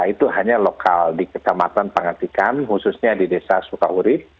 itu hanya lokal di kecamatan pangatikan khususnya di desa suka urib